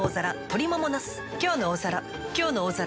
「きょうの大皿」